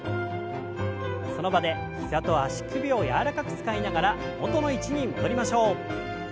その場で膝と足首を柔らかく使いながら元の位置に戻りましょう。